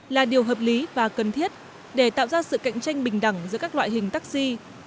là điều hợp lý và cần thiết để tạo ra sự cạnh tranh bình đẳng giữa các loại hình taxi